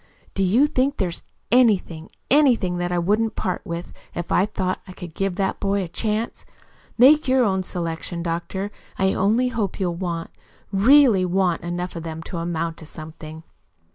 "Do you think there's anything, ANYTHING that I wouldn't part with, if I thought I could give that boy a chance? Make your own selection, doctor. I only hope you'll want really WANT enough of them to amount to something."